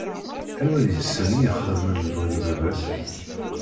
Anwa deg-sen i ixedmen lebɣi n baba-s?